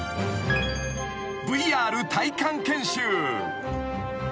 ［ＶＲ体感研修］